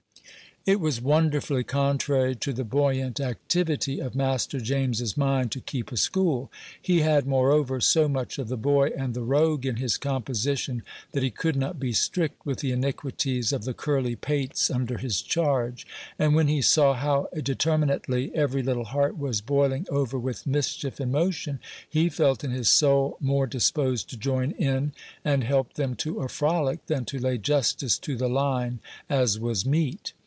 It was wonderfully contrary to the buoyant activity of Master James's mind to keep a school. He had, moreover, so much of the boy and the rogue in his composition, that he could not be strict with the iniquities of the curly pates under his charge; and when he saw how determinately every little heart was boiling over with mischief and motion, he felt in his soul more disposed to join in and help them to a frolic than to lay justice to the line, as was meet.